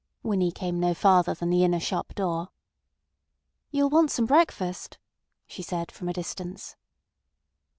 Winnie came no farther than the inner shop door. "You'll want some breakfast," she said from a distance.